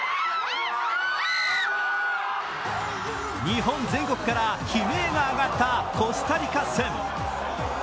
日本全国から悲鳴が上がったコスタリカ戦。